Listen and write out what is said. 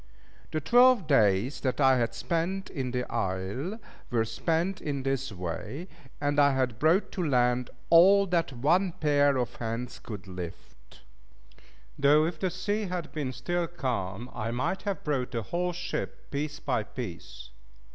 The twelve days that I had been in the isle were spent in this way, and I had brought to land all that one pair of hands could lift; though if the sea had been still calm, I might have brought the whole ship, piece by piece.